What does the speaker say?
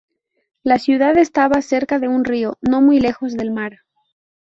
La ciudad estaba cerca de un río, no muy lejos del mar.